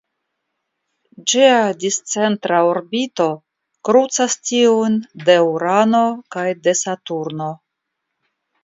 Ĝia discentra orbito krucas tiujn de Urano kaj de Saturno.